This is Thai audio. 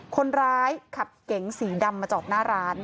คนขับเก๋งสีดำมาจอดหน้าร้าน